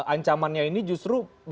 ancamannya ini justru